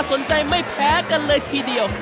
สนใจไม่แพ้กันเลยทีเดียว